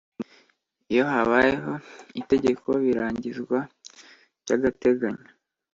Iyo habayeho itegeko birangizwa by’agateganyo